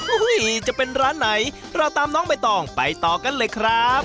จะเป็นร้านไหนเราตามน้องใบตองไปต่อกันเลยครับ